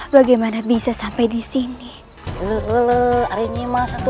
bagaimana bisa sampai di sini